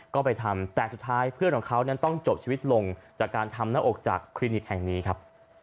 ก็ไปทำแต่สุดท้ายเพื่อนของเขานั้นต้องจบชีวิตลงจากการทำหน้าอกจากคลินิกแห่งนี้ครับ